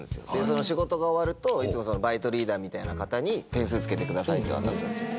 その仕事が終わるといつもバイトリーダーみたいな方に「点数つけてください」って渡すんですよ